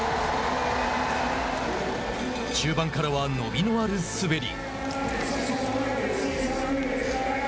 中盤からは伸びのある滑り。